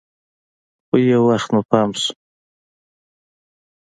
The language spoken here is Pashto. خو يو وخت مو پام سو.